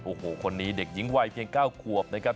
โอ้โหคนนี้เด็กหญิงวัยเพียง๙ขวบนะครับ